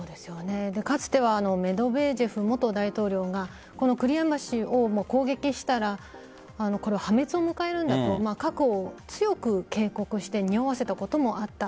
かつてはメドベージェフ元大統領がクリミア橋を攻撃したら破滅を迎えるんだと核を強く警告してにおわせたこともあった。